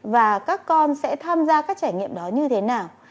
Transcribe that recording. và các con sẽ tham gia các trải nghiệm đó như thế nào